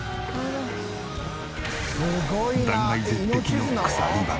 断崖絶壁の鎖場。